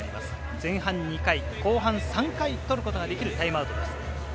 前半２回、後半３回取ることができるタイムアウトです。